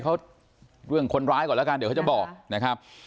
เขาเรื่องคนร้ายก่อนแล้วกันเดี๋ยวเขาจะบอกนะครับ